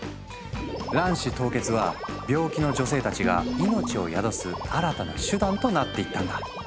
卵子凍結は病気の女性たちが命を宿す新たな手段となっていったんだ。